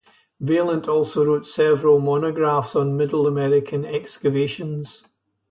Vaillant also wrote several monographs on Middle American excavations.